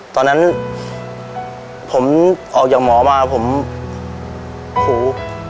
ตอนนั้นผมออกจากหมอมาผมหู